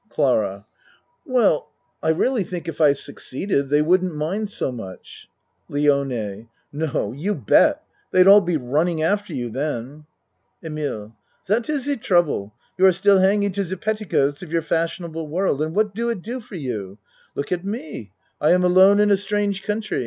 CLARA Well, I really think if I succeeded, they wouldn't mind so much. LIONE No you bet. They'd all be running after you then. EMILE Zat is ze trouble. You are still hang ing to ze petticoats of your fashionable world and what do it do for you? Look at me I am alone in a strange country.